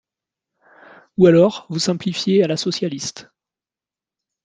Ou alors, vous simplifiez à la socialiste